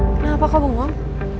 kenapa kau bengong